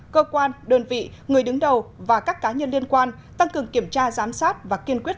cơ quan đơn vị người đứng đầu và các cá nhân liên quan tăng cường kiểm tra giám sát và kiên quyết